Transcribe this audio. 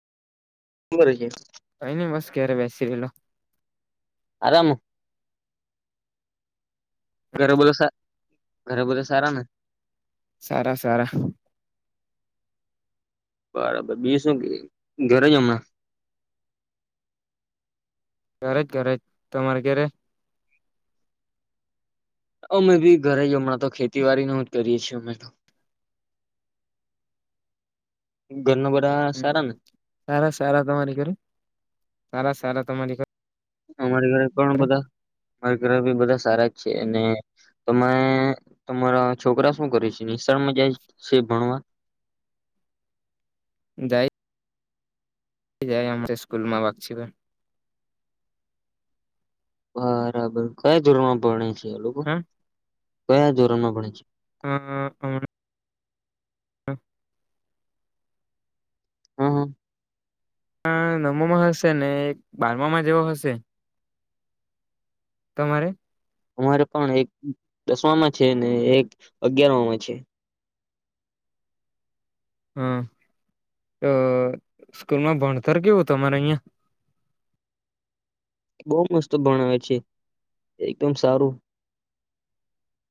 કરે છે કઈ નને બસ ક્યારે બેસી રેલો. આરામ ઘરે બોલો ઘરે બોલો સ આરાને. સારા સારા. બરાબર બી શું ઘરે જ હમણાં. ઘરે જ ઘરે જ તમારે ઘ ર. અમે ભી ઘરે હમણાં તો ખેતીવાડી ન જ કરીએ છીએ અમે તો. ઘરના બધા સારા ને સારા સારા તમારી ખર સારા. તારા તમારી. અમારી ઘરે પણ બધા અરી ઘરે બધા સારા છે અને તમે તમારા છોકરા શું કરે છે નિશાળમાં જાય છે ભણવા. જાય. જાય સ્કૂલ માં વાકસી. બરાબર કયા ધોરમાં પણી. લોકો. હા કયા ધોરણમાં ભણે છે. હા અણા. હા હા હા નવમોમાં હશે ને બારમામાં જેવો હશે. તમારે. અમારે પણ એક દસમામાં છે ને એક અગયારમાં છે. હા તો સ્કૂલમાં ભણતર કેવું તમારે અહિયાં. બહુ મસ્ત ભણાવ છે એકદમ સારું.